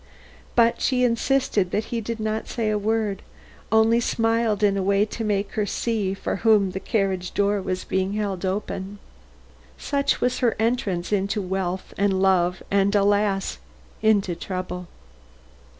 But she insists that he did not say a word, only smiled in a way to make her see for whom the carriage door was being held open. Such was her entrance into wealth and love and alas! into trouble.